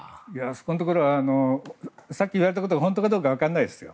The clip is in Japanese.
そこのところはさっき言われたことが本当かどうか分からないですよ。